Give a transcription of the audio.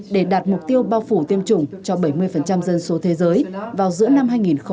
để đạt mục tiêu bao phủ tiêm chủng cho bảy mươi dân số thế giới vào giữa năm hai nghìn hai mươi